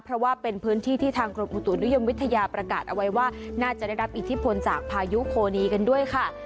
เพราะว่าเป็นพื้นที่ที่ทางกรมอุตุนิยมวิทยาประกาศเอาไว้ว่าน่าจะได้รับอิทธิพลจากพายุโพนีกันด้วยค่ะ